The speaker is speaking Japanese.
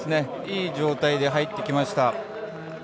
いい状態で入ってきました。